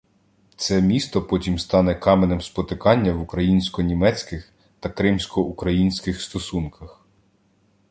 Це місто потім стане каменем спотикання в українсько-німецьких та кримсько-українських стосунках.